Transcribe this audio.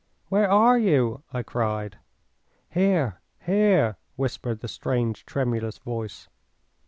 "Where are you?" I cried. "Here! Here!" whispered the strange, tremulous voice.